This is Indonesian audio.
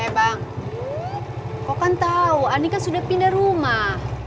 eh bang kau kan tau ani kan sudah pindah rumah